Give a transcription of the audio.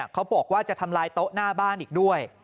เขาบอกว่าจะทำลายโต๊ะหน้าบ้านอีกด้วย